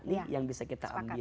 dan juga bisa dianggap sebagai